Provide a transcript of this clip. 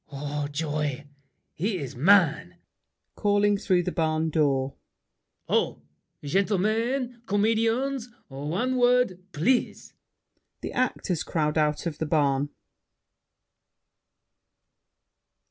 Oh, joy! He's mine! [Calling through the barn door. Ho, gentlemen, comedians! one word, please. [The actors crowd out of the barn.